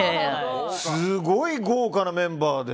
すごい豪華なメンバーで。